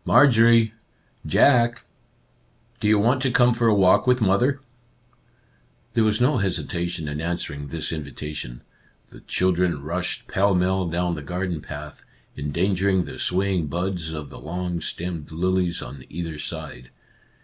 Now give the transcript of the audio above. " Marjorie ! Jack ! Do you want to come for a walk with mother ?" There was no hesitation in answering this invitation. The children rushed pell mell down the garden path, endangering the sway ing buds of the long stemmed lilies on either side.